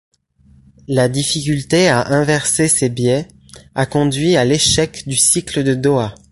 La difficulté à inverser ces biais a conduit à l'échec du cycle de Doha.